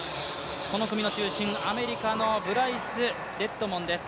この組の中心、アメリカのブライス・デッドモンです